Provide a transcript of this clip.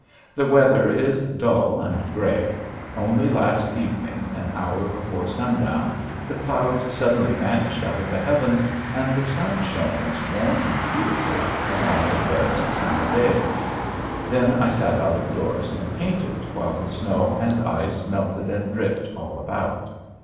The weather is dull and gray only last evening an hour before sundown the clouds suddenly vanished out of the heavens and the sun shone as warm and beautiful as on the fairest summer day. Then I sat out of doors and painted while the snow and ice melted and dripped all about.